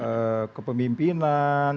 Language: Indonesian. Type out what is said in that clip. di dalam kepemimpinan